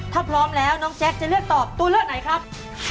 ถ้าพร้อมแล้วน้องแจ๊คจะเลือกตอบตัวเลือกไหนครับ